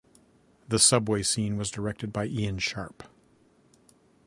The subway scene was directed by Ian Sharp.